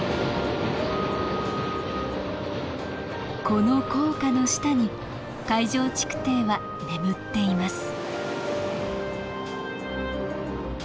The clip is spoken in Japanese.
この高架の下に海上築堤は眠っています